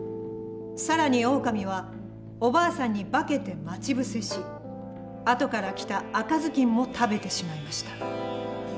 更にオオカミはおばあさんに化けて待ち伏せし後から来た赤ずきんも食べてしまいました。